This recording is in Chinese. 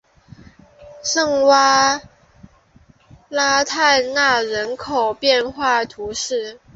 圣旺拉泰讷人口变化图示